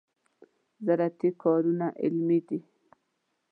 زراعتي کارونه علمي دي.